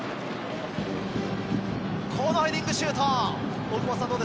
このヘディングシュート。